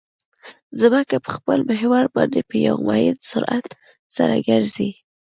ځمکه په خپل محور باندې په یو معین سرعت سره ګرځي